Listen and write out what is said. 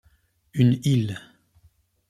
Une île.